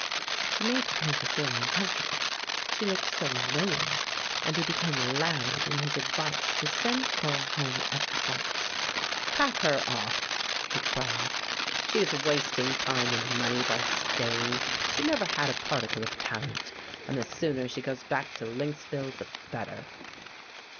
She made the Painter feel uncomfortable, she looked so knowing, and he became loud in his advice to send Cora home at once. "Pack her off," he cried. "She is wasting time and money by staying. She never had a particle of talent, and the sooner she goes back to Lynxville the better."